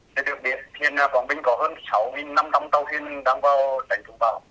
để được biết hiện quảng bình có hơn sáu năm trăm linh tàu huyên đang vào đánh cứu bão